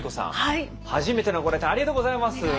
初めてのご来店ありがとうございます。